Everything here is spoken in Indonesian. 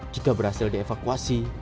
jika berhasil dievakuasi